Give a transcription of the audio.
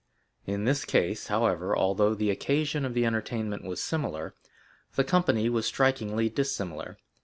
In this case, however, although the occasion of the entertainment was similar, the company was strikingly dissimilar.